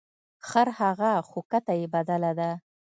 خر هغه خو کته یې بدله ده.